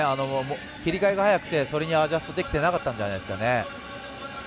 切り替えが早くてそれにアジャストできていなかったんじゃないんですかね。